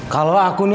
kalau aku ini